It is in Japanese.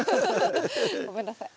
ごめんなさい。